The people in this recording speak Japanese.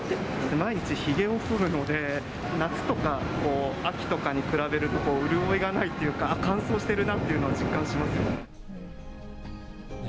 毎日ひげをそるので、夏とか秋とかに比べると、潤いがないっていうか、乾燥してるなっていうのを実感しますよね。